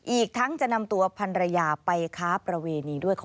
อีกทั้งจะนำตัวพันรยาไปค้าประเวณีด้วย